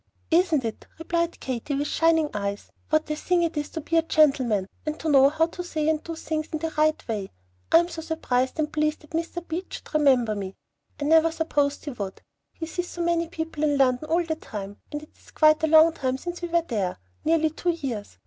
"Isn't it?" replied Katy, with shining eyes, "what a thing it is to be a gentleman, and to know how to say and do things in the right way! I am so surprised and pleased that Mr. Beach should remember me. I never supposed he would, he sees so many people in London all the time, and it is quite a long time since we were there, nearly two years.